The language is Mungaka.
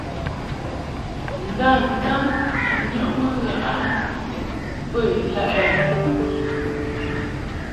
Nda-ntan a nyɔʼmɨ ghaʼ a bə ilaʼ ɛ ?